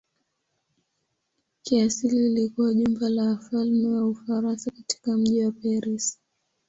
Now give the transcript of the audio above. Kiasili ilikuwa jumba la wafalme wa Ufaransa katika mji wa Paris.